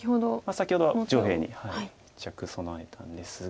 先ほど上辺に一着備えたんですが。